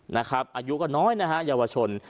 นะครับอายุก็น้อยนะฮะยาวชน